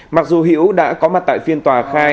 mặc dù hiễu đã có mặt tại phiên tòa khai